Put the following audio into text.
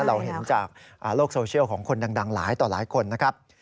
เราเห็นจากโลกโซเชียลของคนดังหลายต่อหลายคนนะครับ